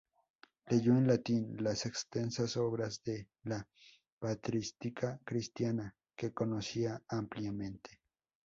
Leyó en latín las extensas obras de la patrística cristiana, que conocía ampliamente.